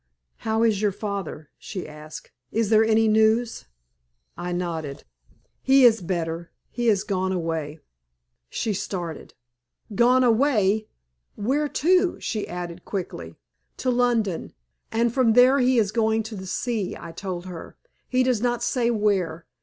"How is your father?" she asked. "Is there any news?" I nodded. "He is better; he is gone away." She started. "Gone away? Where to?" she added, quickly. "To London, and from there he is going to the sea," I told her. "He does not say where.